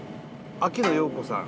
秋野暢子さんに。